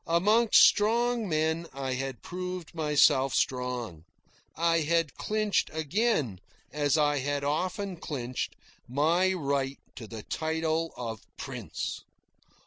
Amongst strong men I had proved myself strong. I had clinched again, as I had often clinched, my right to the title of "Prince."